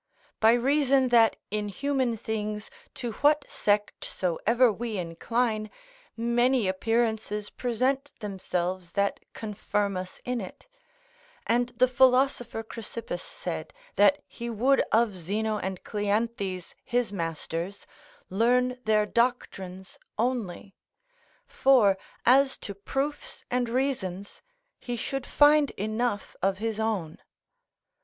By reason that in human things, to what sect soever we incline, many appearances present themselves that confirm us in it; and the philosopher Chrysippus said, that he would of Zeno and Cleanthes, his masters, learn their doctrines only; for, as to proofs and reasons, he should find enough of his own.